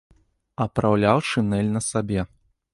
Апраўляў шынель на сабе.